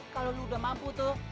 kalau lu udah mampu tuh